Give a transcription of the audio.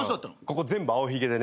ここ全部青ひげでね。